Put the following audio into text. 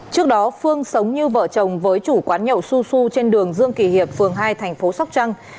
trước đó phương sống như vợ chồng với chủ quán nhậu su su trên đường dương kỳ hiệp phường hai thành phố sóc trăng